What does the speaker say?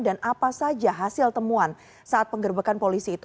dan apa saja hasil temuan saat penggerbekan polisi itu